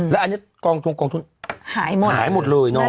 แล้วอันนี้กองทุนหายหมดเลย